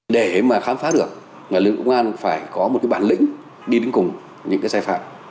để mà khám phá được là lực lượng công an phải có một cái bản lĩnh đi đến cùng những cái sai phạm